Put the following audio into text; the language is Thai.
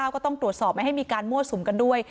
ก็ต้องตรวจสอบไม่ให้มีการมั่วสุมกันด้วย